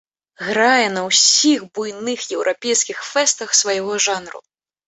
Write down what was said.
Грае на ўсіх буйных еўрапейскіх фэстах свайго жанру!